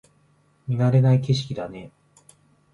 見慣れない景色だね